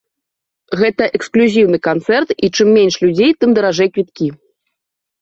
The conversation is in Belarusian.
Гэта эксклюзіўны канцэрт і чым менш людзей, тым даражэй квіткі.